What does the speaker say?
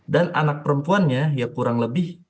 dan anak perempuannya ya kurang lebih